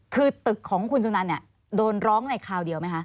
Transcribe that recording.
คือตึกของคุณสุนันเนี่ยโดนร้องในคราวเดียวไหมคะ